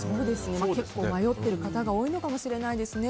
結構迷っている方が多いのかもしれないですね。